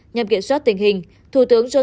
nhằm kiểm soát tình hình